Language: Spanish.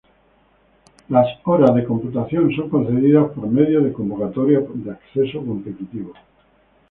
Las horas de computación son concedidas por medio de convocatorias de acceso competitivo.